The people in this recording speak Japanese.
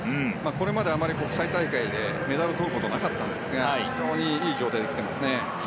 これまであまり国際大会でメダルをとることはなかったんですが非常にいい状態で来ています。